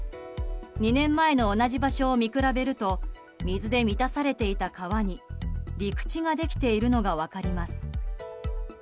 ２年前の同じ場所を見比べると水で満たされていた川に陸地ができているのが分かります。